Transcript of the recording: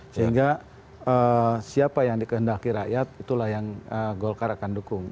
sehingga siapa yang dikehendaki rakyat itulah yang golkar akan dukung